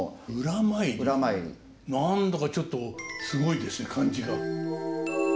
何だかちょっとすごいですね感じが。